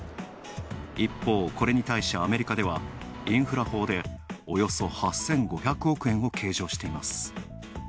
一方、これに対し、アメリカではインフラ法でおよそ８５００億円を計上しています。